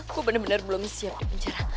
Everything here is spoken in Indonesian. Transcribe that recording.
gue bener bener belum siap di penjara